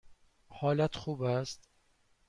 حالت خوب است؟